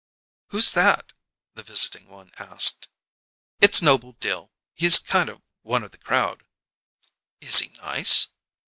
"Who's that?" the visiting one asked. "It's Noble Dill; he's kind of one of the crowd." "Is he nice?"